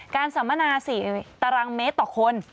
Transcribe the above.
สัมมนา๔ตารางเมตรต่อคน